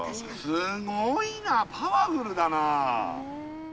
すごいなパワフルだな！